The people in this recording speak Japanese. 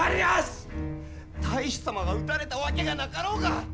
太守様が討たれたわけがなかろうが！